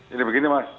jadi begini mas